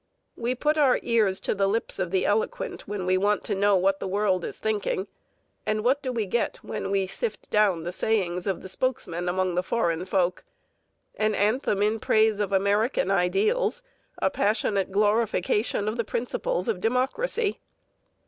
We put our ears to the lips of the eloquent when we want to know what the world is thinking. And what do we get when we sift down the sayings of the spokesmen among the foreign folk? An anthem in praise of American ideals, a passionate glorification of the principles of democracy.